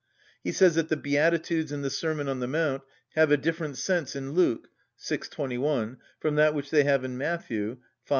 He says that the beatitudes in the Sermon on the Mount have a different sense in Luke (vi. 21) from that which they have in Matt. (v.